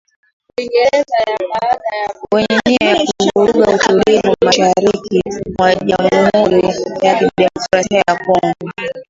wenye nia ya kuvuruga utulivu mashariki mwa Jamhuri ya kidemokrasia ya Kongo